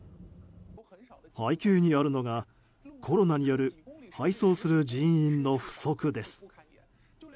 背景にあるのが、コロナによる配送する人員の不足です。